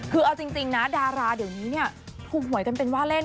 คือเอาจริงนะดาราเดี๋ยวนี้เนี่ยถูกหวยกันเป็นว่าเล่น